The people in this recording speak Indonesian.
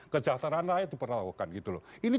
kejahteran rakyat dipertaruhkan gitu loh ini